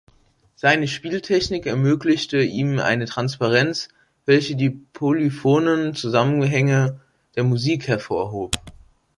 Seine Spieltechnik ermöglichte ihm eine Transparenz, welche die polyphonen Zusammenhänge der Musik hervorhob.